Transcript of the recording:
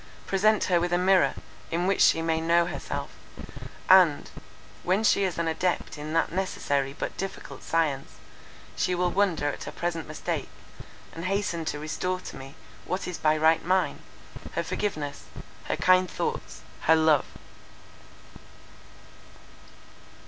Present her with a mirror, in which she may know herself; and, when she is an adept in that necessary but difficult science, she will wonder at her present mistake, and hasten to restore to me, what is by right mine, her forgiveness, her kind thoughts, her love."